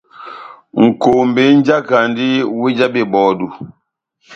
Nʼkombé mújakandi wéh já bebɔdu.